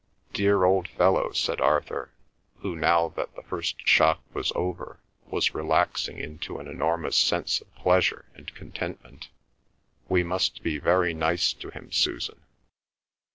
"Dear old fellow," said Arthur who, now that the first shock was over, was relaxing into an enormous sense of pleasure and contentment. "We must be very nice to him, Susan."